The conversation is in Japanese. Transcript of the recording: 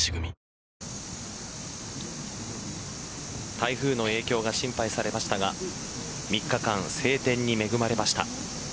台風の影響が心配されましたが３日間、晴天に恵まれました。